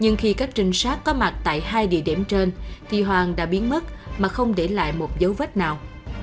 nhưng khi các trinh sát có mặt tại hai địa điểm trên thì hoàng đã biến mất mà không để lại một dấu vết nào